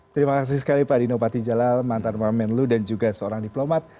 terima kasih sekali pak dino patijalal mantan wamenlu dan juga seorang diplomat